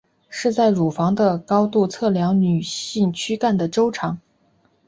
是在乳房的高度测量女性躯干的周长。